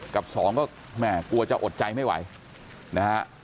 กับสองก็แม่กลัวจะอดใจไม่ไหวนะฮะ